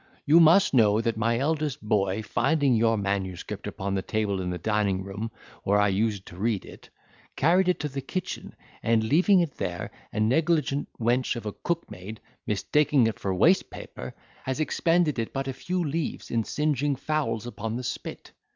You must know that my eldest boy, finding your manuscript upon the table in the dining room, where I used to read it, carried it into the kitchen, and leaving it there, a negligent wench of a cook maid, mistaking it for waste paper, has expended it but a few leaves in singing fowls upon the spit.